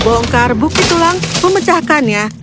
membongkar buki tulang pemecahkannya